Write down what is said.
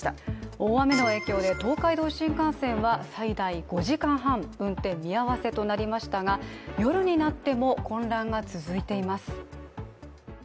大雨の影響で東海道新幹線は最大５時間半運転見合わせとなりましたが、夜になっても混乱が続いています。